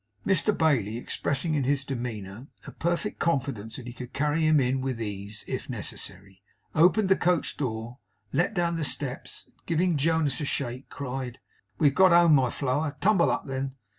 Mr Bailey expressing in his demeanour a perfect confidence that he could carry him in with ease, if necessary, opened the coach door, let down the steps, and giving Jonas a shake, cried 'We've got home, my flower! Tumble up, then!